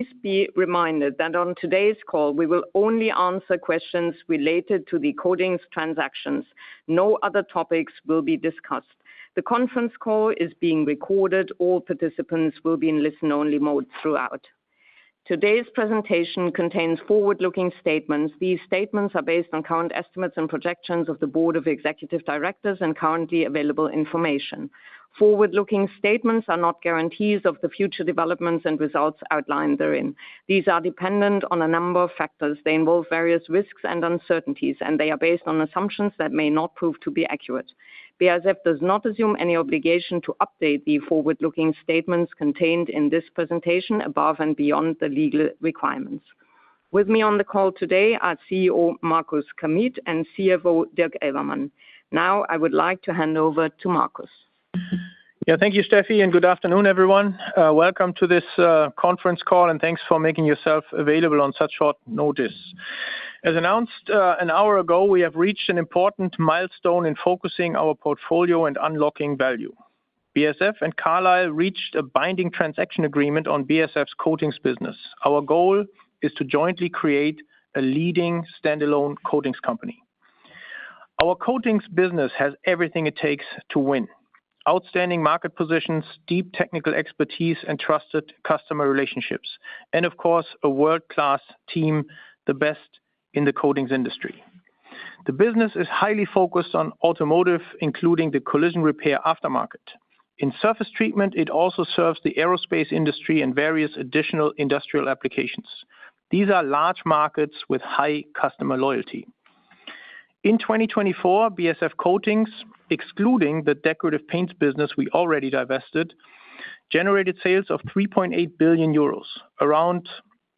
Please be reminded that on today's call we will only answer questions related to the Coatings transactions. No other topics will be discussed. The conference call is being recorded. All participants will be in listen-only mode throughout. Today's presentation contains forward-looking statements. These statements are based on current estimates and projections of the Board of Executive Directors and currently available information. Forward-looking statements are not guarantees of the future developments and results outlined therein. These are dependent on a number of factors. They involve various risks and uncertainties, and they are based on assumptions that may not prove to be accurate. BASF does not assume any obligation to update the forward-looking statements contained in this presentation above and beyond the legal requirements. With me on the call today are CEO Markus Kamieth and CFO Dirk Elvermann. Now I would like to hand over to Markus. Yeah, thank you, Steffi, and good afternoon, everyone. Welcome to this conference call and thanks for making yourself available on such short notice. As announced an hour ago, we have reached an important milestone in focusing our portfolio and unlocking value. BASF and Carlyle reached a binding transaction agreement on BASF's coatings business. Our goal is to jointly create a leading standalone coatings company. Our coatings business has everything it takes to win outstanding market positions, deep technical expertise and trusted customer relationships, and of course, a world-class team. The best the coatings industry. The business is highly focused on automotive, including the collision repair aftermarket, in surface treatment. It also serves the aerospace industry and various additional industrial applications. These are large markets with high customer loyalty. In 2024, BASF Coatings, excluding the decorative paints business we already divested, generated sales of 3.8 billion euros, around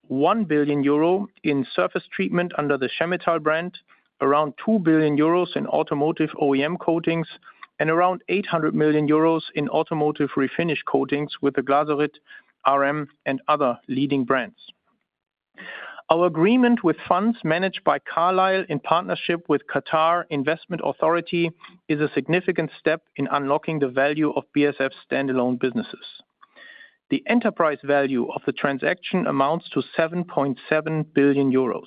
1 billion euro in surface treatment under the Chemetall brand. Around 2 billion euros in automotive OEM coatings and around 800 million euros in automotive refinish coatings with the Glasurit, R-M and other leading brands. Our agreement with funds managed by Carlyle in partnership with Qatar Investment Authority is a significant step in unlocking the value of BASF standalone businesses. The enterprise value of the transaction amounts to 7.7 billion euros.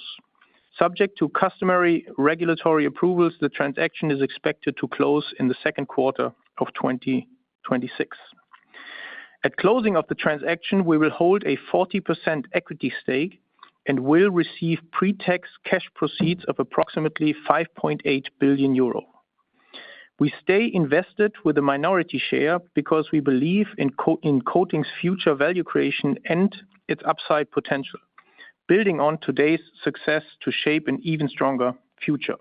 Subject to customary regulatory approvals. The transaction is expected to close in the second quarter of 2026. At closing of the transaction, we will hold a 40% equity stake and will receive pre-tax cash proceeds of approximately 5.8 billion euro. We stay invested with a minority share because we believe in coating's future value creation, its upside potential building on today's success to shape an even stronger future.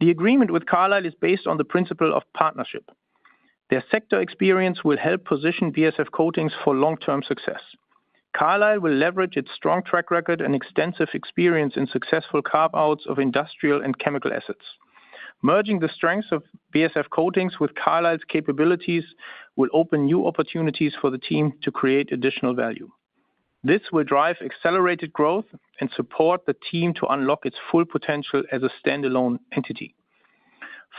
The agreement with Carlyle is based on the principle of partnership. Their sector experience will help position BASF Coatings for long-term success. Carlyle will leverage its strong track record and extensive experience in successful carve-outs of industrial and chemical assets. Merging the strengths of BASF Coatings with Carlyle's capabilities will open new opportunities for the team to create additional value. This will drive accelerated growth and support the team to unlock its full potential as a standalone entity.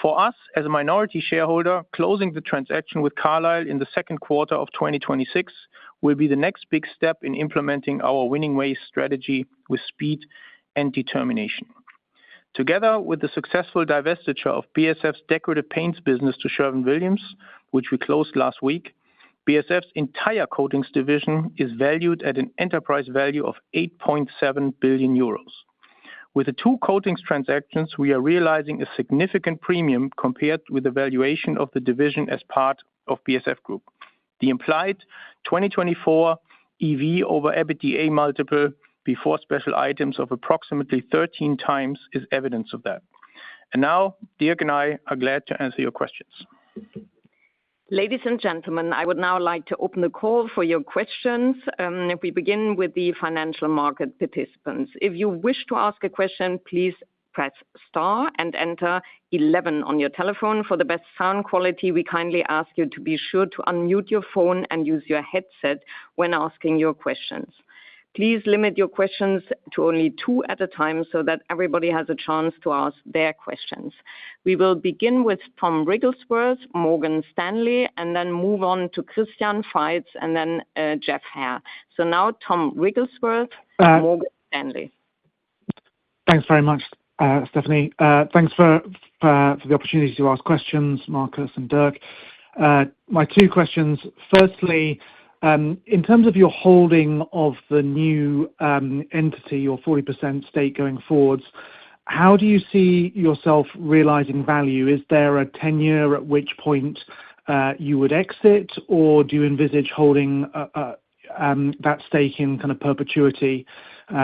For us as a minority shareholder, closing the transaction with Carlyle in the second quarter of 2026 will be the next big step in implementing our Winning Ways strategy with speed and determination. Together with the successful divestiture of BASF's decorative paints business to Sherwin-Williams, which we closed last week, BASF's entire coatings division is valued at an enterprise value of 8.7 billion euros. With the two coatings transactions, we are realizing a significant premium compared with the valuation of the division as part of BASF Group. The implied 2024 EV over EBITDA multiple before special items of approximately 13 times is evidence of that. And now Dirk and I are glad to answer your questions. Ladies and gentlemen, I would now like to open the call for your questions. We begin with the financial market participants. If you wish to ask a question, please press star and enter 11 on your telephone. For the best sound quality we kindly ask you to be sure to unmute your phone and use your headset when asking your questions. Please limit your questions to only two at a time so that everybody has a chance to ask their questions. We will begin with Tom Wrigglesworth, Morgan Stanley and then move on to Christian Faitz and then Geoff Haire. So now Tom Wrigglesworth, Morgan Stanley. Thanks very much, Stefanie. Thanks for the opportunity to ask questions. Marcus and Dirk, my two questions. Firstly, in terms of your holding of the new entity or 40% stake going forwards, how do you see yourself realizing value? Is there a tenure at which point you would exit or do you envisage holding that stake in kind of perpetuity?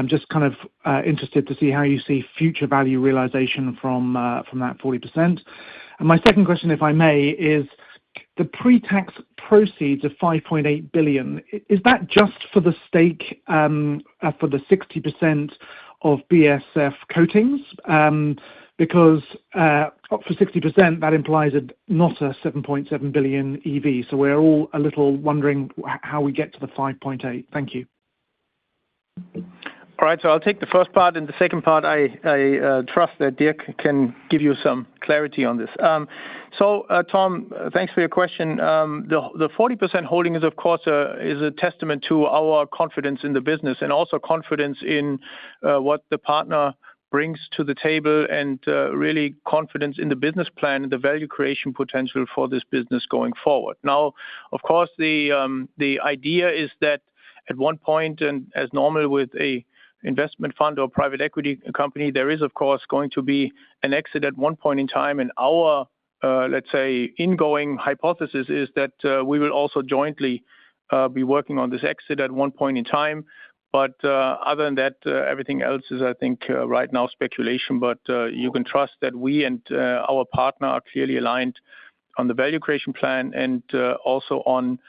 Just kind of interested to see how you see future value realization from that 40%. And my second question if I may is the pre-tax proceeds of 5.8 billion, is that just for the stake for the 60% of BASF Coatings? Because for 60% that implies a not a 7.7 billion EV. So we're all a little wondering how we get to the 5.8. Thank you. All right, so I'll take the first part and the second part. I trust that Dirk can give you some clarity on this, so Tom, thanks for your question. The 40% holding is of course a testament to our confidence in the business and also confidence in what the partner brings to the table and really confidence in the business plan and the value creation potential for this business going forward. Now of course the idea is that at one point and as normal with a investment fund or private equity company, there is of course going to be an exit at one point in time, and our let's say ingoing hypothesis is that we will also jointly be working on this exit at one point in time, but other than that, everything else is I think right now speculation. But you can trust that we and our partner are clearly aligned on the value creation plan and also on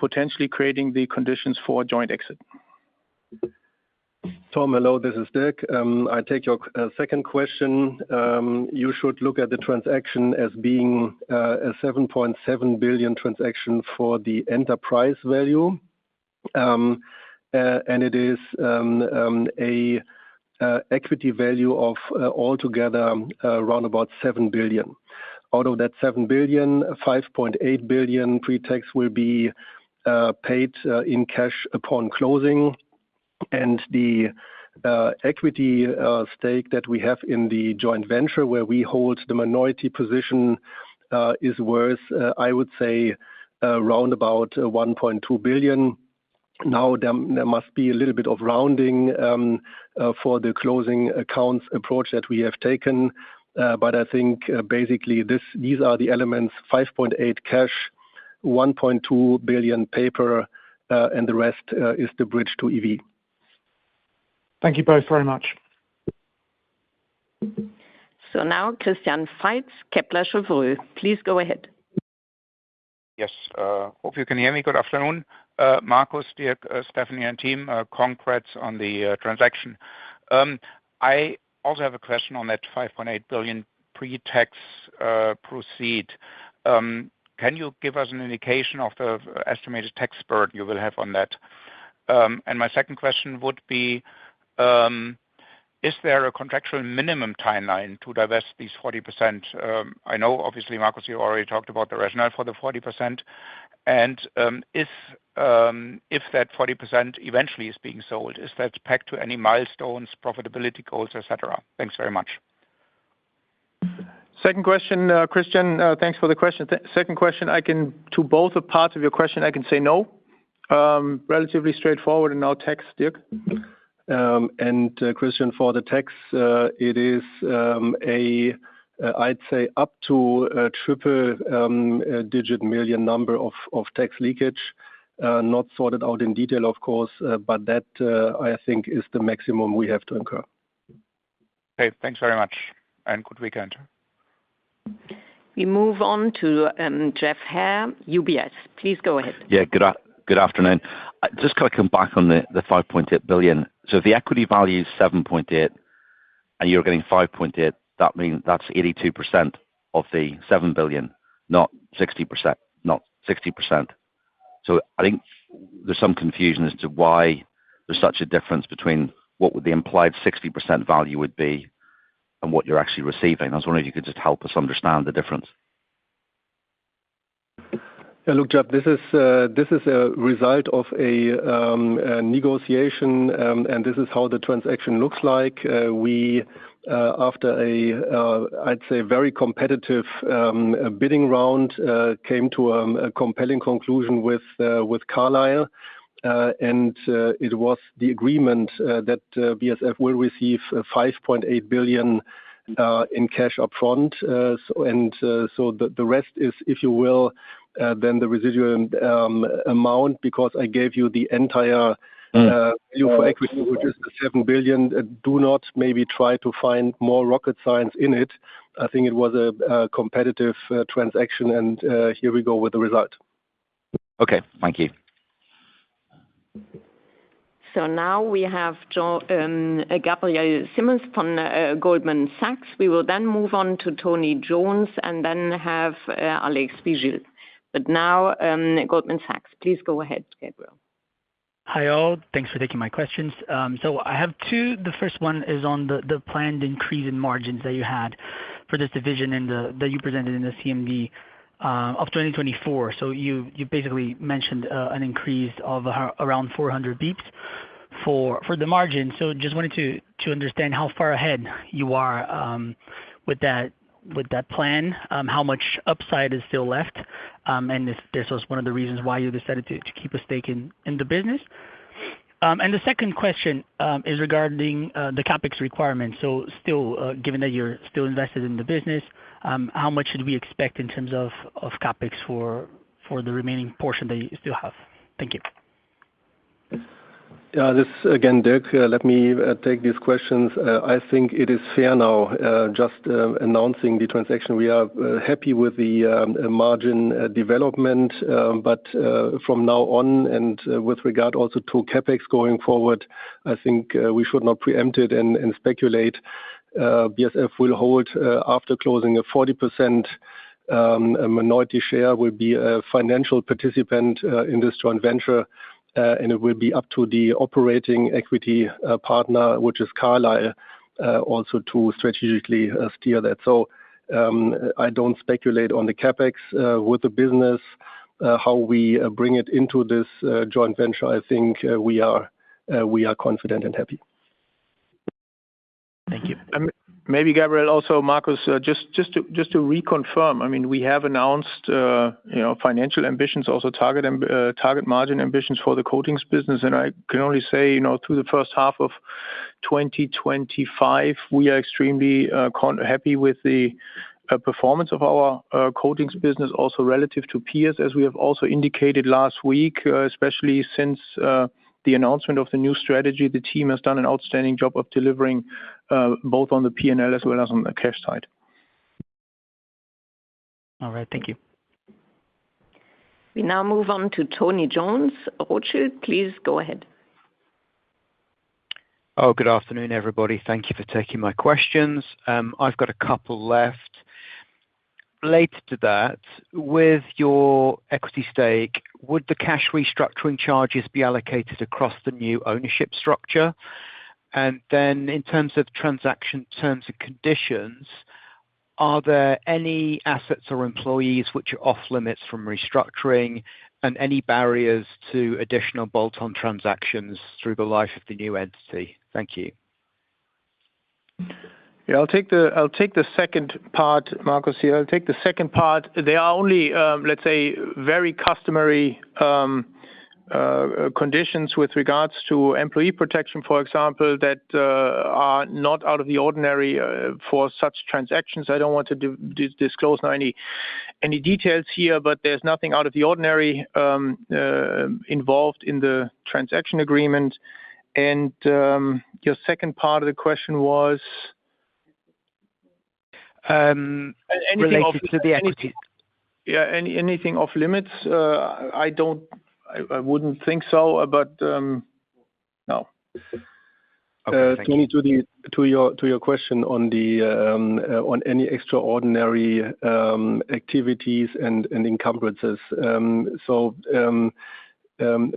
potentially creating the conditions for joint exit. Tom, hello, this is Dirk. I take your second question. You should look at the transaction as being a 7.7 billion transaction for the enterprise value. It is an equity value of altogether around about 7 billion. Out of that 7 billion, 5.8 billion pre-tax will be paid in cash upon closing. The equity stake that we have in the joint venture where we hold the minority position is worth I would say round about 1.2 billion. Now there must be a little bit of rounding for the closing accounts approach that we have taken. I think basically these are the elements. 5.8 cash, 1.2 billion paper and the rest is the bridge to EV. Thank you both very much. So now Christian Faitz, Kepler Cheuvreux, please go ahead. Yes, hope you can hear me. Good afternoon, Markus, Dirk, Stefanie and team. Congrats on the transaction. I also have a question on that 5.8 billion pre-tax proceeds. Can you give us an indication of the estimated tax burden you will have on that? And my second question would be. Is there a contractual minimum timeline to divest these 40%? I know, obviously, Marcus, you already talked about the rationale for the 40%. And. If that 40% eventually is being sold, is that pegged to any milestones, profitability goals, etc.? Thanks very much. Second question. Christian, thanks for the question. To both parts of your question, I can say no. Relatively straightforward in our tax. Dirk and Christian, for the tax it is. I'd say up to a triple-digit million. Number of tax leakage not sorted out in detail, of course, but that I think is the maximum we have to incur. Thanks very much and good weekend. We move on to Geoff Haire, UBS. Please go ahead. Yeah, good afternoon. Just kind of come back on the 5.8 billion. So if the equity value is 7.8 and you're getting 5.8, that means that's 82% of the 7 billion. Not 60%, not 60%. So I think there's some confusion as to why there's such a difference between what would the implied 60% value would be and what you're actually receiving. I was wondering if you could just help us understand the difference. Look, Geoff, this is a result of a negotiation and this is how the transaction looks like. We, after I'd say very competitive bidding round, came to a compelling conclusion with Carlyle and it was the agreement that will receive 5.8 billion in cash upfront and so the rest is, if you will, then the residual amount because I gave you the entire equity, which is 7 billion. Do not maybe try to find more rocket science in it. I think it was a competitive transaction and here we go with the result. Okay, thank you. So now we have Gabriel Simões from Goldman Sachs. We will then move on to Tony Jones and then have Alejandro Vigil. But now Goldman Sachs. Please go ahead, Gabriel. Hi all thanks for taking my questions. So I have two. The first one is on the planned increase in margins that you had for this division that you presented in the CMD of 2024. So you basically mentioned an increase of around 400 basis points for the margin. So just wanted to understand how far ahead you are? With that plan, how much upside is still left? And this was one of the reasons why you decided to keep a stake in the business, and the second question is regarding the CapEx requirements, so still, given that you're still invested in the business, how much should we expect in terms of CapEx for the remaining portion that you still have? Thank you. This again, Dirk. Let me take these questions. I think it is fair now just announcing the transaction. We are happy with the margin development but from now on, and with regard also to CapEx going forward, I think we should not preempt it and speculate. BASF will hold after closing a 40% minority share will be a financial participant in this joint venture and it will be up to the operating equity partner, which is Carlyle, also to strategically steer that. So I don't speculate on the CapEx with the business, how we bring it into this joint venture. I think we are confident and happy. Thank you. Maybe Gabriel, also Marcus, just to reconfirm, I mean, we have announced, you know, ambitions also target margin ambitions for the coatings business, and I can only say, you know, through the first half of 2025, we are extremely happy with the performance of our coatings business also relative to peers as we have also indicated last week, especially since the announcement of the new strategy, the team has done an outstanding job of delivering both on the P&L as well as on the cash side. All right, thank you. We now move on to Tony Jones Redburn Rothschild please go ahead. Oh, good afternoon, everybody. Thank you for taking my questions. I've got a couple left related to that. With your equity stake, would the cash restructuring charges be allocated across the new ownership structure? And then in terms of transaction terms and conditions, are there any assets or employees which are off limits from restructuring and any barriers to additional bolt-on transactions through the life of the new entity? Thank you. Yeah, I'll take the second part. Marcus here. I'll take the second part. They are only, let's say, very customary. Conditions with regards to employee protection, for example, that are not out of the ordinary for such transactions. I don't want to disclose any details here, but there's nothing out of the ordinary involved in the transaction agreement. And your second part of the question was. Related to the equity? Yeah. Anything off limits? I don't. I wouldn't think so, but no. Tony. To your question on any extraordinary activities and encumbrances, so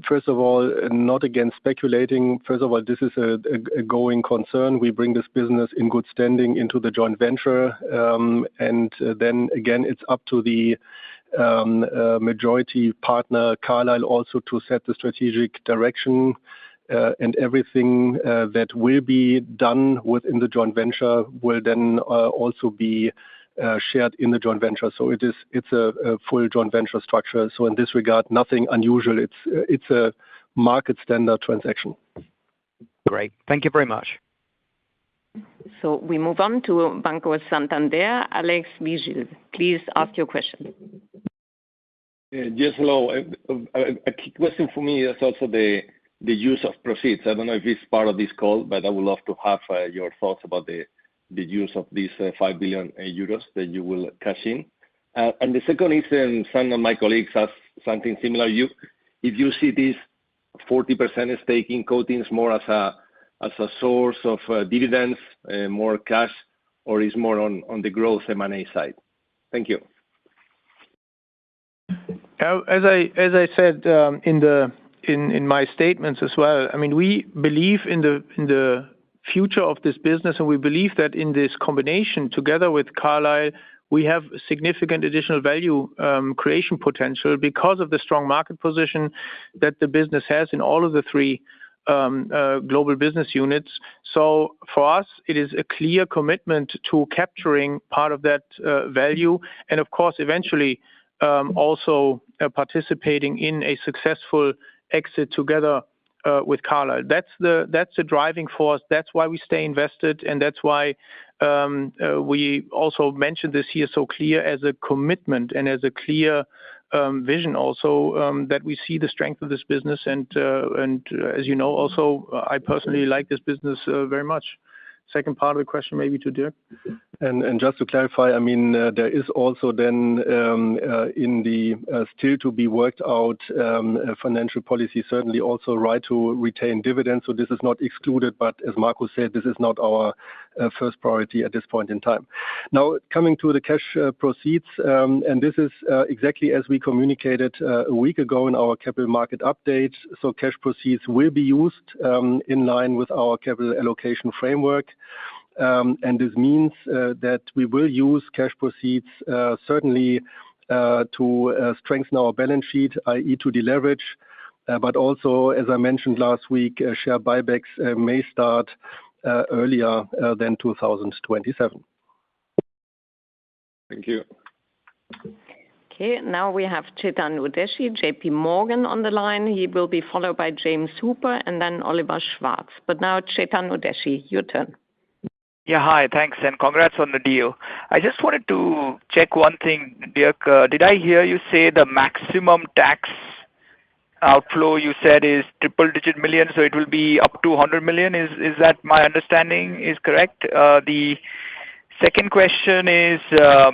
first of all, not against speculating, this is a going concern. We bring this business in good standing into the joint venture and then again, it's up to the majority partner, Carlyle, also to set the strategic direction, and everything that will be done within the joint venture will then also be shared in the joint venture, so it is, it's a full joint venture structure, so in this regard, nothing unusual. It's a market standard transaction. Great, thank you very much. So we move on to Banco Santander. Alejandro Vigil, please ask your question. Yes, hello. A question for me is also the use of proceeds. I don't know if it's part of. This call, but I would love to. Have your thoughts about the use of these 5 billion euros that you will cash in. And the second is some of my colleagues asked something similar. Do you see this 40% stake in Coatings more as a source of dividends, more cash, or is more on the growth M&A side? Thank you. As I said in my statements as well, I mean, we believe in the future of this business and we believe that in this combination, together with Carlyle, we have significant additional value creation potential because of the strong market position that the business has in all of the three global business units, so for us, it is a clear commitment to capturing part of that value and of course, eventually also participating in a successful exit together with Carlyle. That's the driving force. That's why we stay invested, and that's why we also mentioned this here, so clear as a commitment and as a clear vision also that we see the strength of this business, and as you know also I personally like this business very much. Second part of the question maybe to Dirk. And just to clarify, I mean there is also then in the still to be worked out financial policy, certainly also right to retain dividends, so this is not excluded, but as Marco said, this is not our first priority at this point in time. Now coming to the cash proceeds, and this is exactly as we communicated a week ago in our capital market update, so cash proceeds will be used in line with our capital allocation framework, and this means that we will use cash proceeds certainly to strengthen our balance sheet, that is to deleverage, but also as I mentioned last week, share buybacks may start earlier than 2027. Thank you. Okay, now we have Chetan Udeshi, JPMorgan on the line. He will be followed by James Hooper and then Oliver Schwarz, but now Chetan Udeshi. Your turn. Yeah, hi. Thanks. And congrats on the deal. I just wanted to check one thing, Dirk. Did I hear you say the maximum tax outflow you said is triple digit million? So it will be up to 100 million, is that my understanding is correct? The second question is I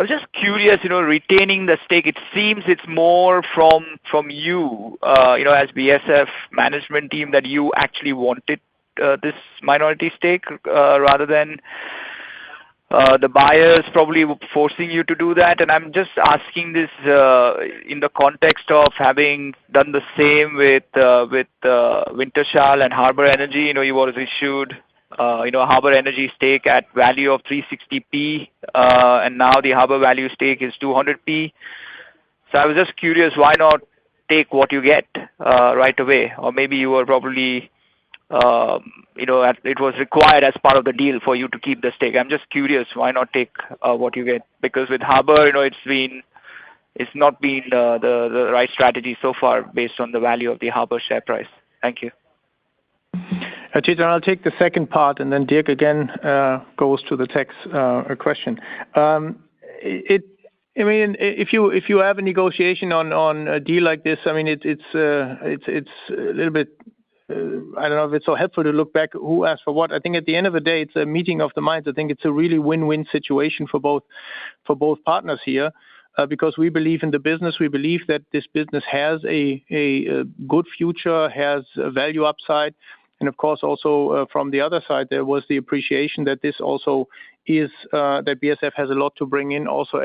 was just curious, you know, retaining the stake. It seems it's more from you as BASF management team that you actually wanted this minority stake rather than the buyers probably forcing you to do that. And I'm just asking this in the context of having done the same with Wintershall and Harbour Energy. You know, you was issued, you know, Harbour Energy stake at value of 360p and now the Harbour Energy stake is 200p. So I was just curious, why not take what you get right away? Or maybe you were probably. You know, it was required as part of the deal for you to keep the stake. I'm just curious, why not take what you get? Because with Harbour, you know, it's been. It's not been the right strategy so far based on the value of the Harbour share price. Thank you, Chetan. I'll take the second part, and then Dirk again goes to the tax question. If you have a negotiation on a deal like this, I mean, it's a little bit. I don't know if it's so helpful to look back. Who asked for what? I think at the end of the day it's a meeting of the minds. I think it's a really win-win situation for both partners here because we believe in the business, we believe that this business has a good future, has value upside. And of course, also from the other side there was the appreciation that this also is, that BASF has a lot to bring in also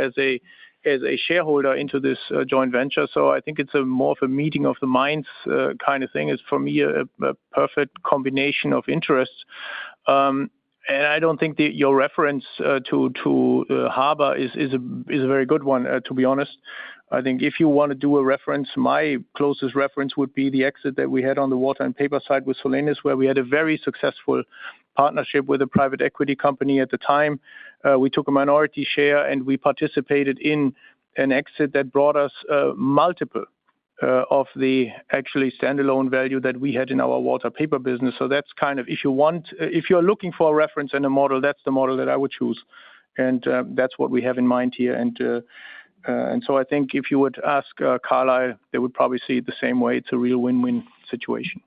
as a shareholder into this joint venture. So I think it's more of a meeting of the minds kind of thing. It's for me a perfect combination of interests. And I don't think your reference to harbour is a very good one, to be honest. I think if you want to do a reference, my closest reference would be the exit that we had on the water and paper side with Solenis where we had a very successful partnership with a private equity company at the time. We took a minority share and we participated in an exit that brought us multiple of the actually standalone value that we had in our water paper business, so that's kind of if you want, if you're looking for a reference and a model, that's the model that I would choose, and that's what we have in mind here, and so I think if you would ask Carlyle, they would probably see the same way. It's a real win-win situation.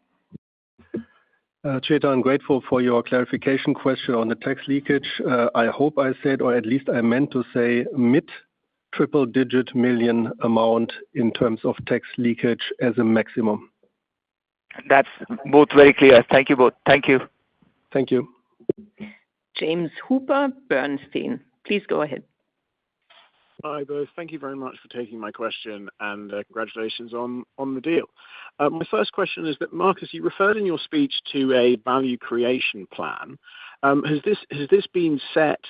Chetan, I'm grateful for your clarification question on the tax leakage. I hope I said or at least I meant to say mid triple digit million amount in terms of tax leakage as a maximum. That's both very clear. Thank you both. Thank you. Thank you. James Hooper, Bernstein, please go ahead. Hi both. Thank you very much for taking my question, and congratulations on the deal. My first question is that Marcus, you referred in your speech to a value creation plan. Has this been set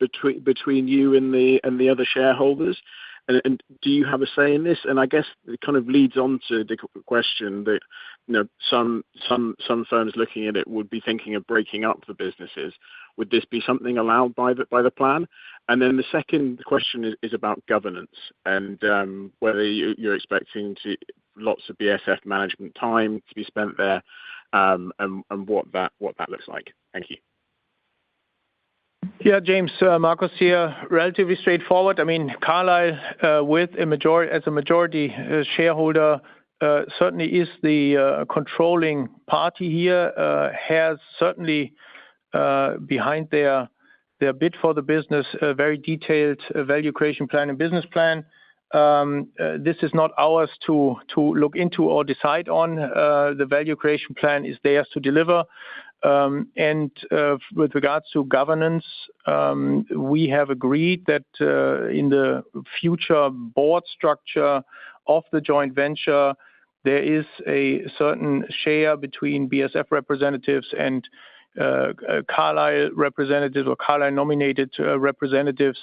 between you and the other shareholders? Do you have a say in this? And I guess it kind of leads on to the question that. Some firms looking at it would be thinking of breaking up the businesses. Would this be something allowed by the plan? And then the second question is about governance and whether you're expecting lots of BASF management time to be spent there and what that looks like. Thank you. Yeah, James, Marcus here. Relatively straightforward. I mean, Carlyle as a majority shareholder certainly is. The controlling party here has certainly behind their bid for the business very detailed value creation plan and business plan. This is not ours to look into or decide on. The value creation plan is theirs to deliver, and with regards to governance, we have agreed that in the future board structure of the joint venture, there is a certain share between BASF representatives and Carlyle representatives or Carlyle-nominated representatives,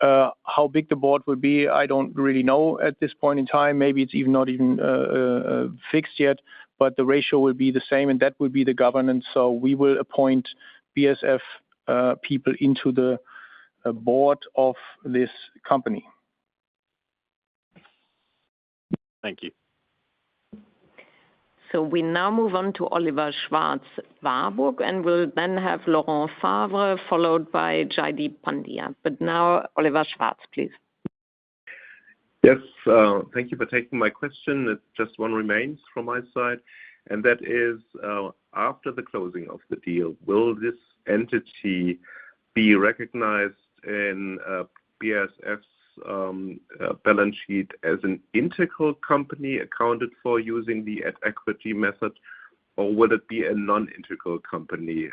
how big the board will be. I don't really know at this point in time. Maybe it's not even fixed yet, but the ratio will be the same and that would be the governance, so we will appoint BASF people into the board of this company. Thank you. So we now move on to Oliver Schwarz Warburg. And we'll then have Laurent Favre followed by Jaideep Pandya. But now Oliver Schwarz, please. Yes, thank you for taking my question. Just one remains from my side and. That is after the closing of the deal. Will this entity be recognized in BASF's balance sheet as an integral company accounted for using the equity method or will it be a non-integral company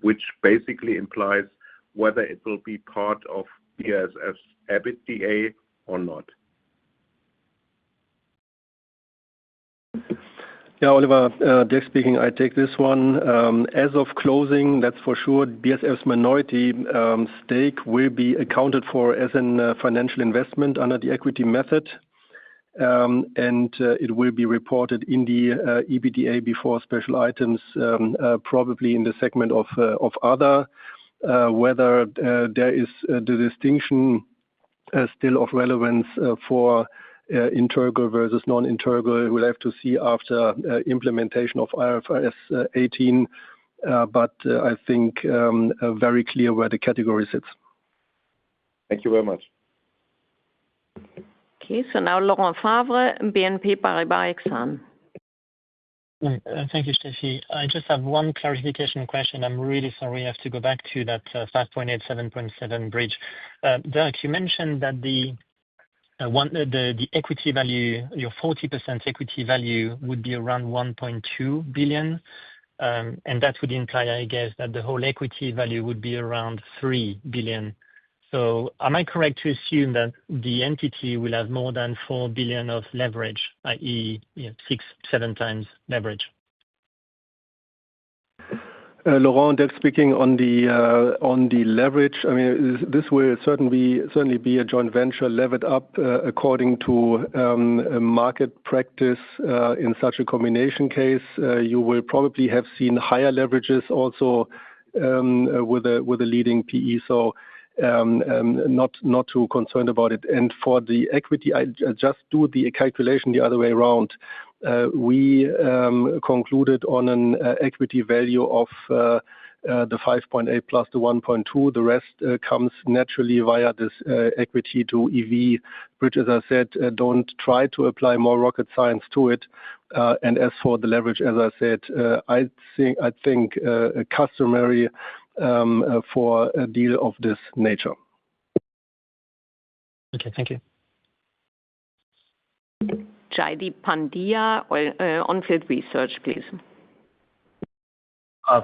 which? Basically implies whether it will be part of BASF's EBITDA or not. Oliver Dirk speaking. I take this one as of closing. That's for sure. BASF minority stake will be accounted for as a financial investment under the equity method, and it will be reported in the EBITDA before special items, probably in the segment of Other. Whether there is distinction still of relevance for integral versus non-integral we'll have to see after implementation of IFRS 18, but I think very clear where the category sits. Thank you very much. Okay, so now Laurent Favre, BNP Paribas. Thank you, Steffi. I just have one clarification question. I'm really sorry, I have to go back to that 5.87.7 bridge. Dirk, you mentioned that the. The equity value, your 40% equity value would be around 1.2 billion. And that would imply, I guess that the whole equity value would be around 3 billion. So am I correct to assume that the entity will have more than 4 billion of leverage? That is 6-7 times leverage. Laurent speaking on the leverage, I mean this will certainly be a joint venture levered up according to market practice. In such a combination case you will probably have seen higher leverages also. With a leading PE. Not too concerned about it. And for the equity I just do the calculation the other way around. We concluded on an equity value of the 5.8 plus the 1.2. The rest comes naturally via this equity to EV, which as I said no need to apply more rocket science to it. And as for the leverage, as I said, I think customary for a deal of this nature. Okay, thank you. Jaideep Pandya On Field Investment Research, please.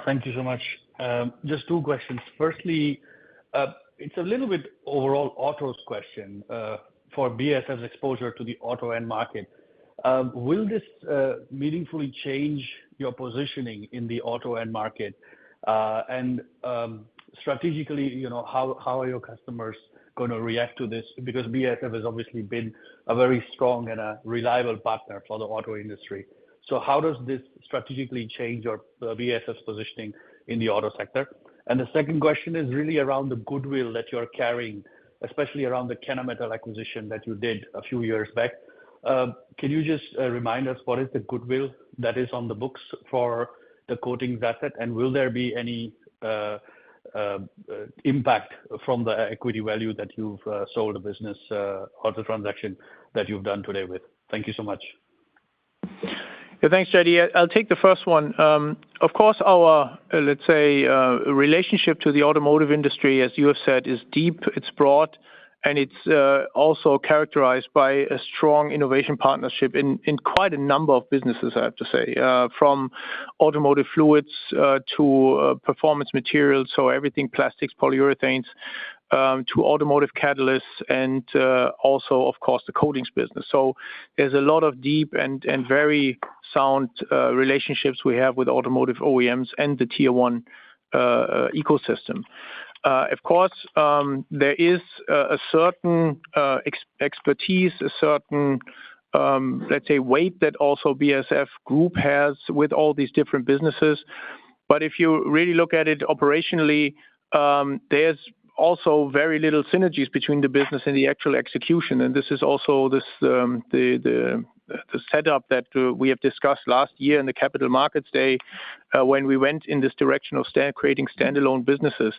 Thank you so much. Just two questions. Firstly, it's a little bit overall auto's question for BASF's exposure to the auto end market. Will this meaningfully change your positioning in the auto end market and strategically, you know, how are your customers going to react to this? Because BASF has obviously been a very. Strong and a reliable partner for the auto industry. So how does this strategically change your BASF's positioning in the auto sector? And the second question is really around the goodwill that you're carrying, especially around the Chemetall acquisition that you did a few years back. Can you just remind us what is the goodwill that is on the books for the coatings asset? And will there be any? Impact from the equity value that you've sold a business or the transaction that you've done today with? Thank you so much. Thanks, Jaideep I'll take the first one. Of course, our, let's say, relationship to the automotive industry, as you have said, is deep. It's broad, and it's also characterized by a strong innovation partnership in quite a number of businesses, I have to say, from automotive fluids to performance materials, so everything plastics, polyurethanes to automotive catalysts, and also, of course, the coatings business. So there's a lot of deep and very sound relationships we have with automotive OEMs and the Tier 1 ecosystem. Of course, there is a certain expertise, a certain, let's say, weight that also BASF Group has with all these different businesses. But if you really look at it operationally, there's also very little synergies between the business and the actual execution. And this is also. The setup that we have discussed last year in the Capital Markets Day when we went in this direction of creating standalone businesses,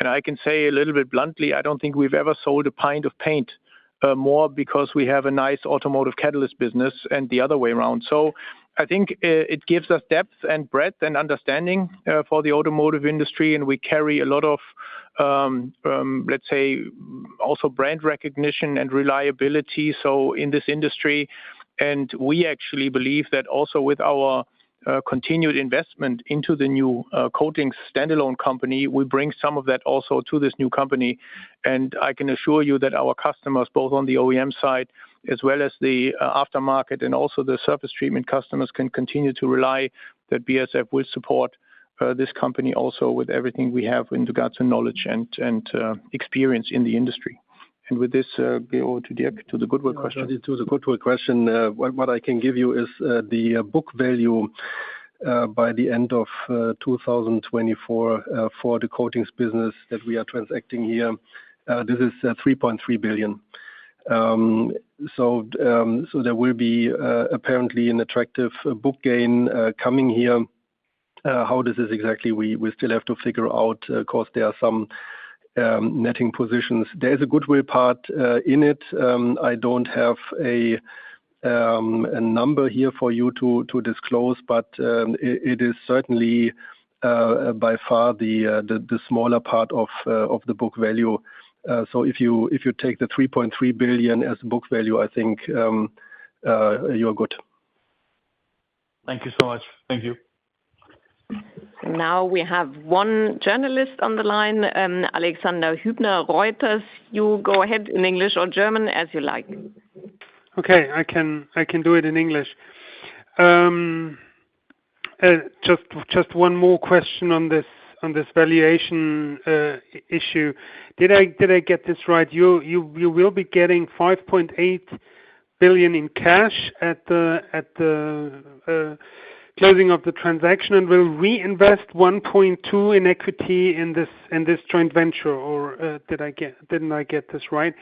and I can say a little bit bluntly, I don't think we've ever sold a pint of paint more because we have a nice automotive catalyst business and the other way around, so I think it gives us depth and breadth and understanding for the automotive industry, and we carry a lot of, let's say, also brand recognition and reliability in this industry, and we actually believe that also with our continued investment into the new coatings standalone company, we bring some of that also to this new company. And I can assure you that our customers, both on the OEM side as well as the aftermarket and also the surface treatment customers, can continue to rely that BASF will support this company also with everything we have in regards to knowledge and experience in the industry. And with this over to Dirk, to the goodwill question. To the goodwill question, what I can give you is the book value by the end of 2024 for the coatings business that we are transacting here. This is 3.3 billion. So there will be apparently an attractive book gain coming here. How does this exactly? We still have to figure out, of course, there are some netting positions. There is a goodwill part in it. I don't have. A number here for you to disclose, but it is certainly by far the smaller part of the book value. So if you take the 3.33 billion as book value, I think you are good. Thank you so much. Thank you. Now we have one journalist on the line, Alexander Hübner, Reuters. You go ahead in English or German as you like. Okay, I can do it in English. Just one more question on this valuation issue. Did I get this right? You will be getting 5.8 billion in cash at the closing of the transaction and will reinvest 1.2 billion in equity in this joint venture or didn't I get this right?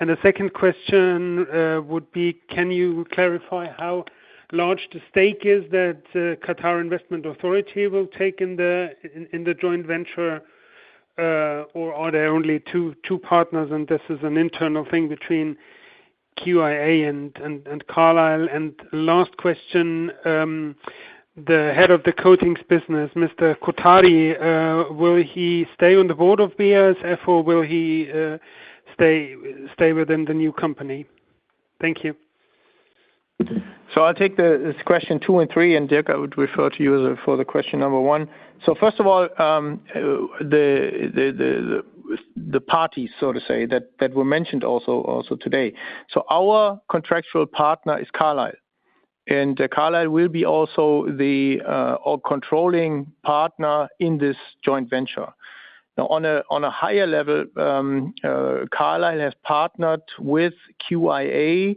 And the second question would be, can you clarify how large the stake is that Qatar Investment Authority will take in the joint venture or are there only two partners and this is an internal thing between QIA and Carlyle? And last question. The head of the coatings business, Mr. Kothari, will he stay on the board of BASF or will he? Stay within the new company? Thank you. So I'll take the question two and three, and Dirk, I would refer to you for the question number one. So first of all. The parties, so to say, that were mentioned also today. So our contractual partner is Carlyle and Carlyle will be also the controlling partner in this joint venture. Now on a higher level, Carlyle has partnered with QIA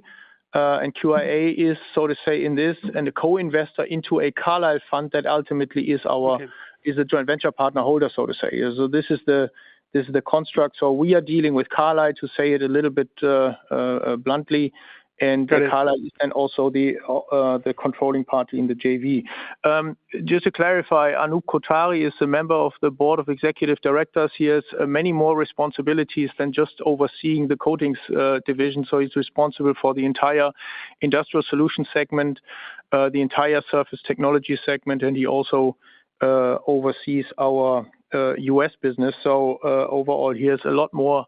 and QIA is so to say in this and a co investor into a Carlyle fund that ultimately is a joint venture partner holder, so to say. So this is the construct. So we are dealing with Carlyle, to say it a little bit bluntly, and Carlyle, and also the controlling party in the JV, just to clarify. Anup Kothari is a member of the board of executive directors. He has many more responsibilities than just overseeing the coatings division. So he's responsible for the entire industrial solutions segment, the entire surface technology segment, and he also oversees our U.S. business. So overall he has a lot more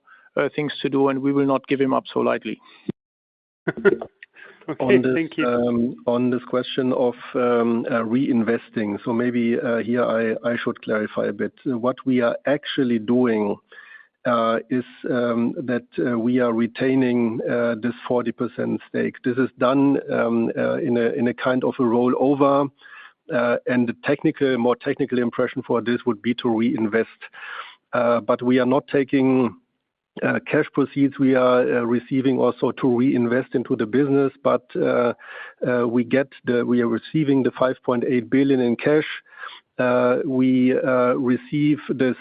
things to do and we will not give him up so lightly. Okay, thank you. On this question of reinvesting, so maybe here I should clarify a bit. What we are actually doing is that we are retaining this 40% stake. This is done in a kind of a rollover, and the technical, more technical impression for this would be to reinvest. But we are not taking cash proceeds. We are receiving also to reinvest into the business. But we are receiving the 5.8 billion in cash. We receive this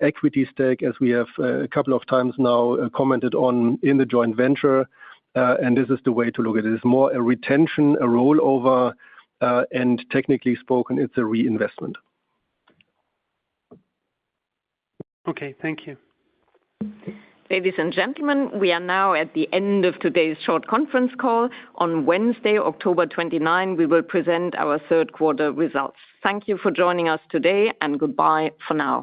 equity stake, as we have a couple of times now commented on in the joint venture, and this is the way to look at it. It's more a retention, a rollover, and technically spoken, it's a reinvestment. Okay, thank you, Ladies and gentlemen. We are now at the end of today's short conference call. On Wednesday, October 29th, we will present our third quarter results. Thank you for joining us today and goodbye for now.